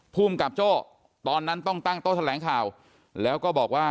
ภูมิกับโจ้ตอนนั้นต้องตั้งโต๊ะแถลงข่าวแล้วก็บอกว่า